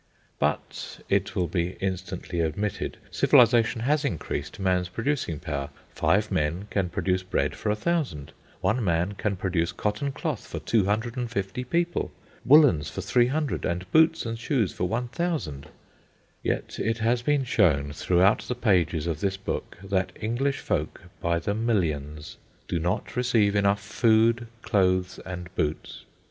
But, it will be instantly admitted, Civilisation has increased man's producing power. Five men can produce bread for a thousand. One man can produce cotton cloth for 250 people, woollens for 300, and boots and shoes for 1000. Yet it has been shown throughout the pages of this book that English folk by the millions do not receive enough food, clothes, and boots.